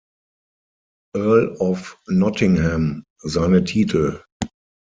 Earl of Nottingham, seine Titel.